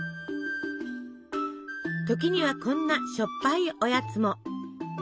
時にはこんなしょっぱいおやつも。